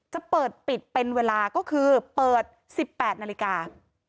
จะเปิดปิดเป็นเวลาก็คือเปิด๑๘นาฬิกา